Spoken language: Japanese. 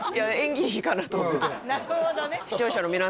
あっなるほどね